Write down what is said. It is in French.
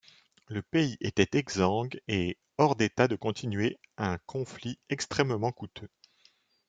Le pays était exsangue et hors d'état de continuer un conflit extrêmement coûteux.